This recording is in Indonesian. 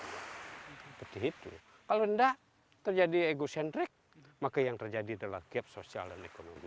seperti itu kalau enggak terjadi egocentrik maka yang terjadi adalah gap sosial dan ekonomi